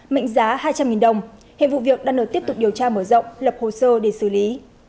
mệnh giá hai trăm linh đồng hiện vụ việc đang được tiếp tục điều tra mở rộng lập hồ sơ để xử lý